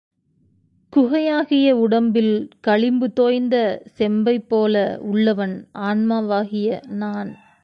குகையாகிய உடம்பில் களிம்பு தோய்ந்த செம்பைப் போல் உள்ளவன் ஆன்மாவாகிய நான்.